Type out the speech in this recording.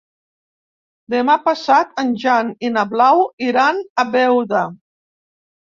Demà passat en Jan i na Blau iran a Beuda.